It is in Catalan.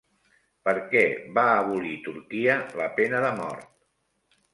Per què va abolir Turquia la pena de mort?